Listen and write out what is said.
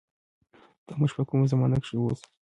دا مونږ په کومه زمانه کښې اوسو